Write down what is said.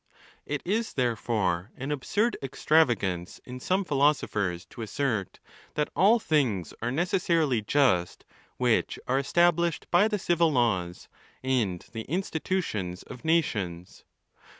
— XY. It is therefore an absurd extravagance in some philo sophers to assert, that all things are necessarily just which are established by the civil laws and the institutions of nations.